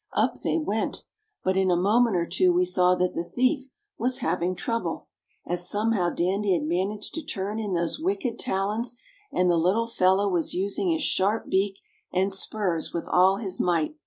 Up they went! But in a moment or two we saw that the thief was having trouble, as somehow Dandy had managed to turn in those wicked talons, and the little fellow was using his sharp beak and spurs with all his might.